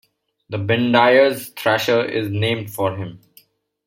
The Bendire's thrasher is named for him.